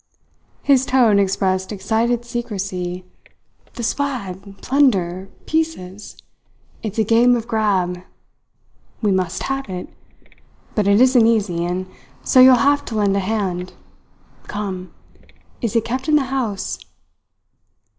His tone expressed excited secrecy. "The swag plunder pieces. It's a game of grab. We must have it; but it isn't easy, and so you will have to lend a hand. Come! is it kept in the house?"